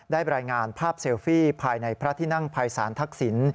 รายงานภาพเซลฟี่ภายในพระที่นั่งภัยศาลทักษิณ